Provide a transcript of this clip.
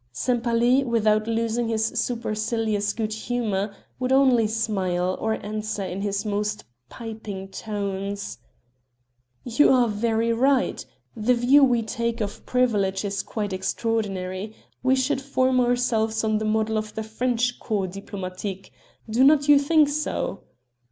Sempaly, without losing his supercilious good humor, would only smile, or answer in his most piping tones: "You are very right; the view we take of privilege is quite extraordinary. We should form ourselves on the model of the French corps diplomatique; do not you think so?"